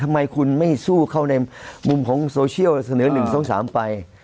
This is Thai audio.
ทำไมคุณไม่สู้เข้าในมุมของโซเชียลเสนอ๑๒๓ไป